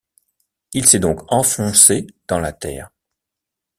Il s’est donc enfoncé dans la terre.